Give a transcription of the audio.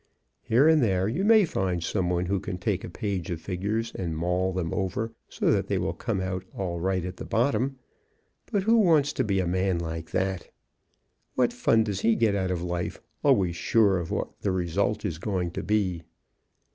Here and there you may find some one who can take a page of figures and maul them over so that they will come out right at the bottom, but who wants to be a man like that? What fun does he get out of life, always sure of what the result is going to be?